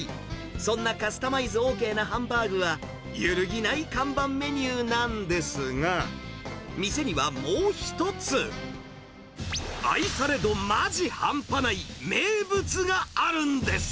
そんなカスタマイズＯＫなハンバーグは、揺るぎない看板メニューなんですが、店にはもう一つ、愛され度まじ半端ない名物があるんです。